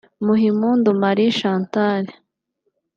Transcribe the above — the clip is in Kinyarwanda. Muhimpundu Marie Chantal